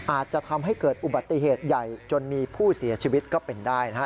อาจจะทำให้เกิดอุบัติเหตุใหญ่จนมีผู้เสียชีวิตก็เป็นได้นะฮะ